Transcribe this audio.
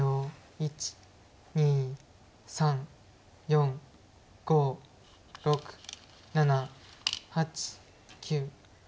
１２３４５６７８９。